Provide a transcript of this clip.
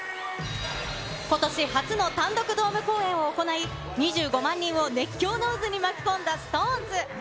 ことし、初の単独ドーム公演を行い、２５万人を熱狂の渦に巻き込んだＳｉｘＴＯＮＥＳ。